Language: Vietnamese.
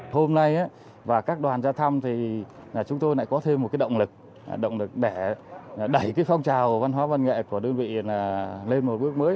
hôm nay các đoàn ra thăm chúng tôi có thêm một động lực để đẩy phong trào văn hóa văn nghệ của đơn vị lên một bước mới